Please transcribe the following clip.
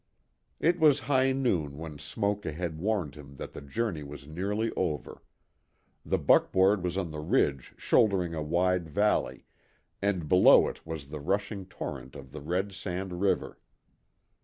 It was high noon when smoke ahead warned him that the journey was nearly over. The buckboard was on the ridge shouldering a wide valley, and below it was the rushing torrent of the Red Sand River.